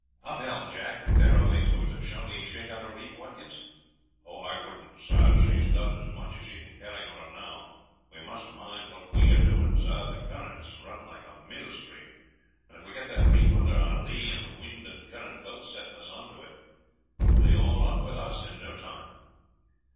"Up helm, Jack, and bear away towards her. Shall we shake out a reef, Watkins?" "I wouldn't, sir; she has got as much as she can carry on her now. We must mind what we are doing, sir; the currents run like a millstream, and if we get that reef under our lee, and the wind and current both setting us on to it, it will be all up with us in no time."